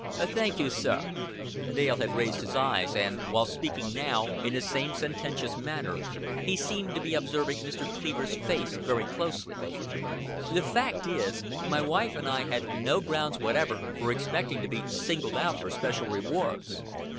"Thank you, sir." Dale had raised his eyes, and, while speaking now, in the same sententious manner, he seemed to be observing Mr. Cleaver's face very closely. "The fact is, my wife and I had no grounds whatever for expecting to be singled out for special rewards.